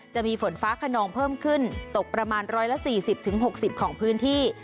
จะมีฝนฟ้าขนองเพิ่มขึ้นตกประมาณ๑๔๐๖๐ของพื้นที่